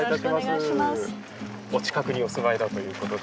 お近くにお住まいだということで。